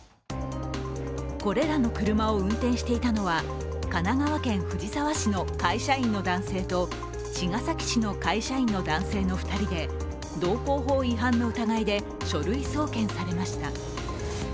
これらの車を運転していたのは神奈川県藤沢市の会社員の男性と茅ヶ崎市の会社員の男性の２人で道交法違反の疑いで書類送検されました。